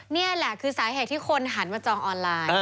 นี่แหละคือสาเหตุที่คนหันมาจองออนไลน์